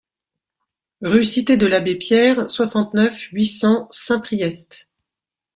Rue Cité de l'Abbé Pierre, soixante-neuf, huit cents Saint-Priest